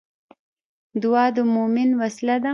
دعا د مومن وسله ده